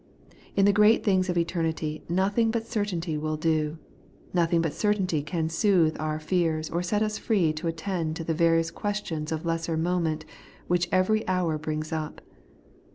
In the great things of eternity nothing but cer tainty will do ; nothing but certainty can soothe our fears, or set us free to attend to the various ques tions of lesser moment which every hour brings up.